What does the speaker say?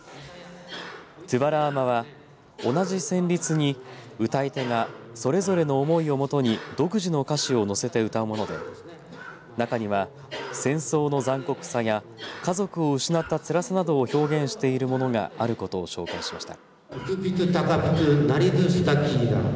とぅばらーまは同じ旋律に歌い手がそれぞれの思いをもとに独自の歌詞を乗せて歌うもので中には戦争の残酷さや家族を失った辛さなどを表現しているものがあることを紹介しました。